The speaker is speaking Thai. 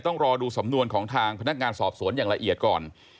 ต้องรอดูสำนวนของทางพนักงานสอบสวนอย่างละเอียดก่อน